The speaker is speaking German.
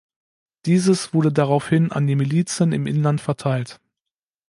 Dieses wurde daraufhin an die Milizen im Inland verteilt.